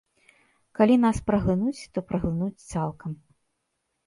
Калі нас праглынуць, то праглынуць цалкам.